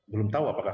belum tahu apakah